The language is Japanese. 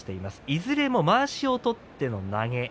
いずれもまわしを取っての投げ。